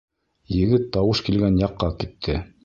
Егет тауыш килгән яҡҡа китте.